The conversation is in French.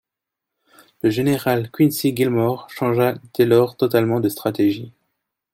Le général Quincy Gilmore changea dès lors totalement de stratégie.